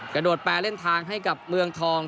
กระโดดแปลเล่นทางให้กับเมืองทอง